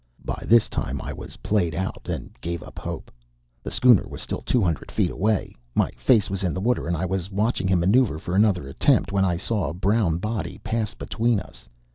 By this time I was played out, and gave up hope. The schooner was still two hundred feet away. My face was in the water, and I was watching him manoeuvre for another attempt, when I saw a brown body pass between us.